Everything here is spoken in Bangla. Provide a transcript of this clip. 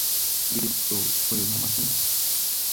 বিরক্ত হোয়ো না মাসি।